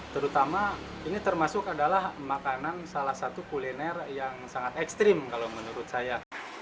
terutama ini termasuk adalah makanan salah satu kuliner yang sangat ekstrim kalau menurut saya